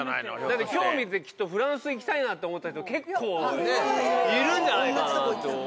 だって今日見てきっとフランス行きたいなって思った人結構いるんじゃないかなと思った。